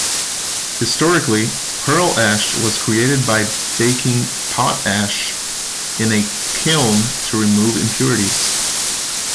Historically, pearl ash was created by baking potash in a kiln to remove impurities.